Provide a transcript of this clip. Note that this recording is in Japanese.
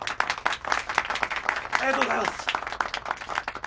ありがとうございます。